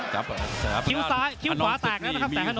ครับแสนธนงค์คิ้วซ้ายคิ้วขวาแตกแล้วนะครับแสนธนงค์